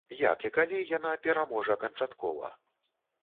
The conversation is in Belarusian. Як і калі яна пераможа канчаткова?